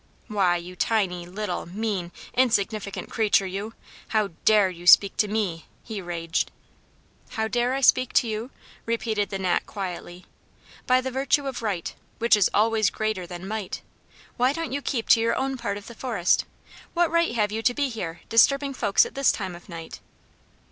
"Why, you tiny, little, mean, insignificant creature you, how DARE you speak to ME?" he raged. "How dare I speak to you?" repeated the Gnat quietly. "By the virtue of right, which is always greater than might. Why don't you keep to your own part of the forest? What right have you to be here, disturbing folks at this time of night?"